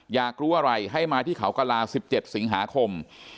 อยากรู้อะไรให้มาที่เขากระลา๑๗สิงหาคม